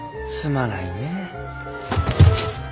すまないねえ。